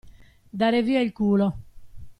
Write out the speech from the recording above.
Dare via il culo.